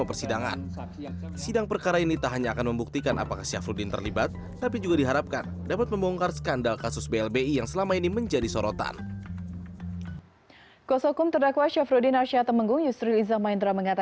kewajiban pemegang nasional indonesia yang dimiliki pengusaha syamsul nursalim